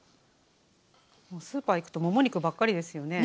スーパー行くともも肉ばっかりですよね。